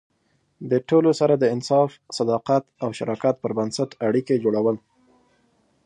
د ټولو سره د انصاف، صداقت او شراکت پر بنسټ اړیکې جوړول.